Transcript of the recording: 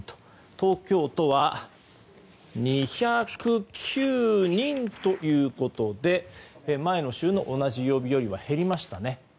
東京都は２０９人ということで前の週の同じ曜日よりは減りましたね。